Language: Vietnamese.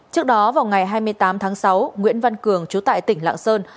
trước đó vào ngày hai mươi tám tháng sáu nguyễn văn cường chú tại tỉnh lạng sơn